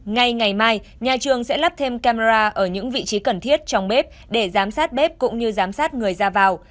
ngay ngày mai nhà trường sẽ lắp thêm camera ở những vị trí cần thiết trong bếp để giám sát bếp cũng như giám sát người ra vào